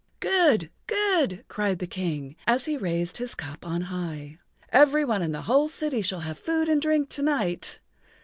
"Good! Good!" cried the King, as he raised his cup on high. "Every one in the whole city shall have food and drink to night.